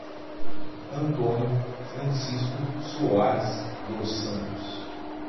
Antônio Francisco Soares dos Santos